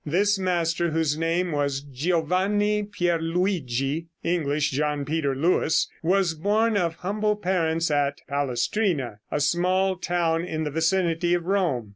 This master, whose name was Giovanni Pierluigi (English, John Peter Lewis), was born of humble parents at Palestrina, a small town in the vicinity of Rome.